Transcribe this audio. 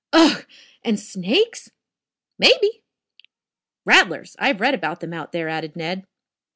"Ugh! And snakes?" "Maybe." "Rattlers. I've read about them out there," added Ned.